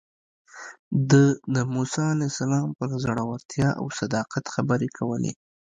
ده د موسی علیه السلام پر زړورتیا او صداقت خبرې کولې.